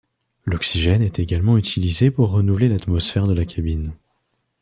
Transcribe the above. L'oxygène est également utilisé pour renouveler l'atmosphère de la cabine.